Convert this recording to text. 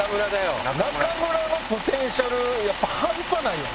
中村のポテンシャルやっぱ半端ないよな。